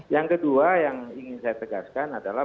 yang kedua yang ingin saya tegaskan adalah